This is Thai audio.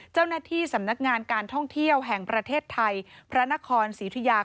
เจ้าหน้าที่สำนักงานการท่องเที่ยวแห่งประเทศไทยพระนครศรีธุยา